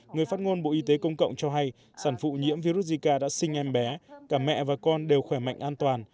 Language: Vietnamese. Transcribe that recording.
người phát ngôn bộ y tế công cộng cho hay sản phụ nhiễm virus zika đã sinh em bé cả mẹ và con đều khỏe mạnh an toàn